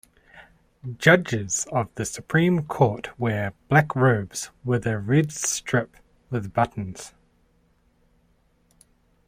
Judges of the supreme court wear black robes with a red stip with buttons.